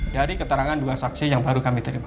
dari keterangan dua saksi yang baru kami terima